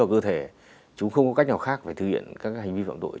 chúng không có cách nào khác phải thực hiện các hành vi phạm tội